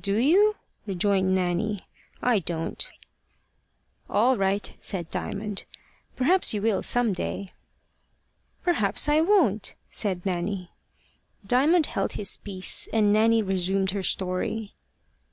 do you?" rejoined Nanny. "I don't." "All right," said Diamond. "Perhaps you will some day." "Perhaps I won't," said Nanny. Diamond held his peace, and Nanny resumed her story.